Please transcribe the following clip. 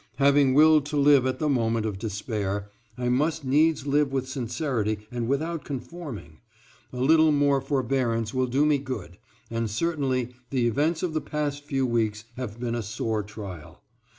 Having willed to live at the moment of despair, I must needs live with sincerity and without conforming; a little more forbearance will do me good, and certainly the events of the past few weeks have been a sore trial.